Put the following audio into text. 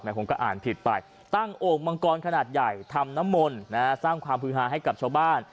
ผมก็อ่านผิดไปตั้งโอ่งมังกรขนาดใหญ่ทำน้ำมนต์สร้างความฮือฮาให้กับชาวบ้าน